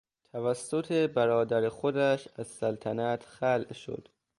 توسط برادر خودش از سلطنت خلع شد.